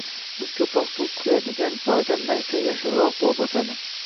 Siz ko’proq suv quyadigan joyda maysa yashilroq bo’lib o’sadi